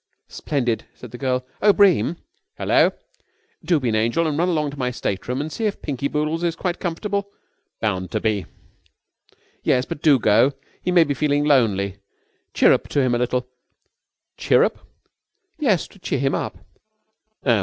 "Splendid," said the girl. "Oh, Bream!" "Hello?" "Do be an angel and run along to my stateroom and see if Pinky Boodles is quite comfortable." "Bound to be." "Yes. But do go. He may be feeling lonely. Chirrup to him a little." "Chirrup?" "Yes, to cheer him up."